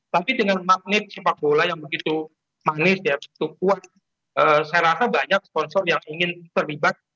tapi dengan magnet sepak bola yang begitu manis ya begitu kuat saya rasa banyak sponsor yang ingin terlibat